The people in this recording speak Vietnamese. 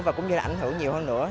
và cũng sẽ ảnh hưởng nhiều hơn nữa